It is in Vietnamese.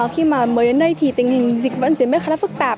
khi mà mới đến đây thì tình hình dịch vẫn dễ mất khá là phức tạp